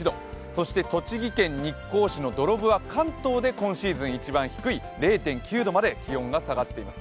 そして栃木県日光市の土呂部は関東で今シーズン一番低い０．９度まで気温が下がっています。